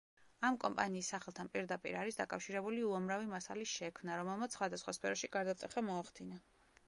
ამ კომპანიის სახელთან პირდაპირ არის დაკავშირებული უამრავი მასალის შექმნა, რომელმაც სხვადასხვა სფეროში გარდატეხა მოახდინა.